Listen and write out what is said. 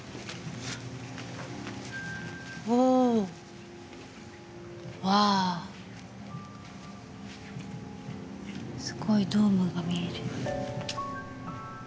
おお、わあ、すごいドームが見える。